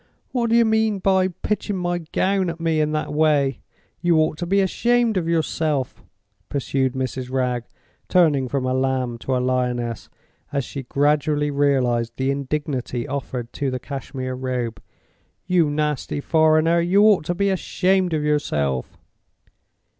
"What do you mean by pitching my gown at me in that way? You ought to be ashamed of yourself!" pursued Mrs. Wragge, turning from a lamb to a lioness, as she gradually realized the indignity offered to the Cashmere Robe. "You nasty foreigner, you ought to be ashamed of yourself!"